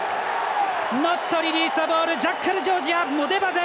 ノットリリースザボールジャッカル、ジョージアモデバゼ！